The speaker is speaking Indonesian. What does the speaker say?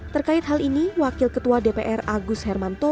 terkait hal ini wakil ketua dpr agus hermanto